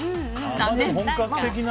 残念。